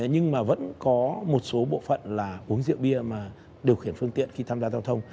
nhưng mà vẫn có một số bộ phận là uống rượu bia mà điều khiển phương tiện khi tham gia giao thông